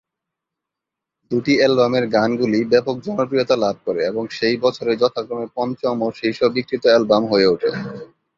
দুটি অ্যালবামের গানগুলি ব্যাপক জনপ্রিয়তা লাভ করে, এবং সেই বছরে যথাক্রমে পঞ্চম ও শীর্ষ বিক্রীত অ্যালবাম হয়ে ওঠে।